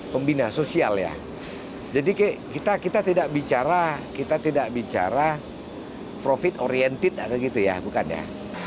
pembina sosial ya jadi kita kita tidak bicara kita tidak bicara profit oriented atau gitu ya bukan ya